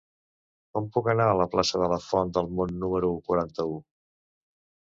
Com puc anar a la plaça de la Font del Mont número quaranta-u?